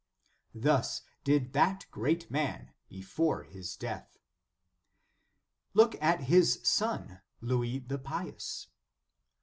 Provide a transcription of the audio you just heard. "* Thus did that great man before his death. Look, at his son, Louis the Pious.